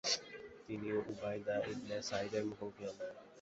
তিনি উবাইদা ইবনে সাইদের মুখোমুখি হলেন।